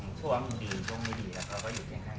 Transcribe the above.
ในช่วงดีในช่วงไม่ดีและอยู่เที่ยงข้าง